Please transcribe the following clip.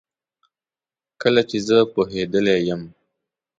کله چي زه پوهیدلې یم